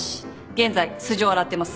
現在素性を洗ってます。